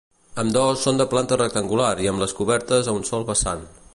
Ambdós són de planta rectangular i amb les cobertes a un sol vessant.